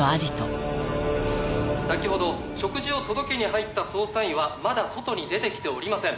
「先ほど食事を届けに入った捜査員はまだ外に出てきておりません」